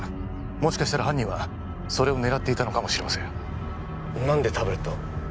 もしかしたら犯人はそれを狙っていたのかもしれません何でタブレットを？